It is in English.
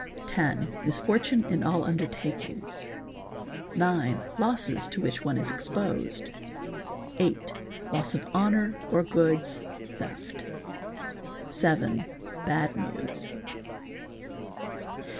Ten—misfortune in all un dertakings. Nine—losses to which one is exposed. Hight—loss of honour — or goods, theft. Seven—bad news.